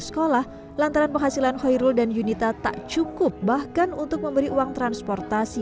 sekolah lantaran penghasilan hoirul dan yunita tak cukup bahkan untuk memberi uang transportasi